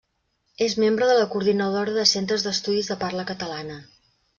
És membre de la Coordinadora de Centres d'Estudis de Parla Catalana.